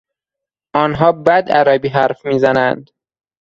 آنها بد عربی حرف میزنند.